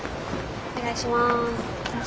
お願いします。